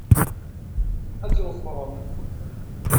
Ad k-ḍefren.